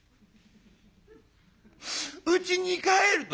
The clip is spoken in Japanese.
「うちに帰ると」。